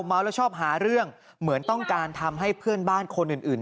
เมาแล้วชอบหาเรื่องเหมือนต้องการทำให้เพื่อนบ้านคนอื่นอื่น